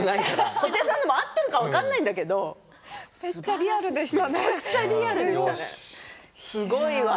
小手さんも合っているかどうか分からないんだけれどもめちゃくちゃリアルでしたね。